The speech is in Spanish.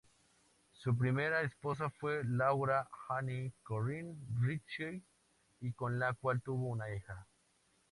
Su primera esposa fue Laura Anne Corinne Richey, con la cual tuvo una hija.